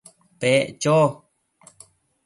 Pec cho